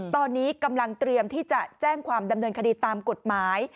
ตอนนี้กำลังเตรียมที่จะแจ้งความดำเนินคดีตามกฎหมาย